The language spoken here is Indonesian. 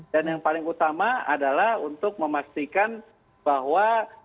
dan yang paling utama adalah untuk memastikan bahwa